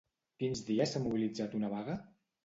Quins dies s'ha mobilitzat una vaga?